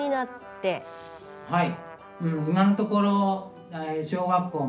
はい。